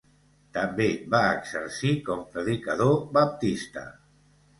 També va exercir com predicador baptista.